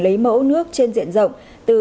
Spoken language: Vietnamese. lấy mẫu nước trên diện rộng từ